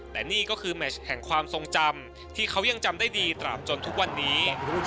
แต่นี่ก็คือแมชแห่งความทรงจำที่เขายังจำได้ดีตราบจนทุกวันนี้